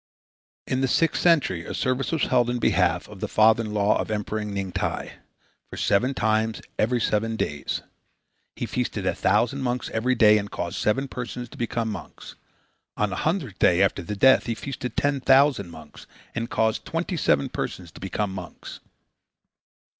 In the sixth century a service was held in behalf of the father in law of Emperor Ning Ti (516 528 A. D.) for seven times every seven days. He feasted a thousand monks every day, and caused seven persons to become monks. On the hundredth day after the death he feasted ten thousand monks and caused twenty seven persons to become monks.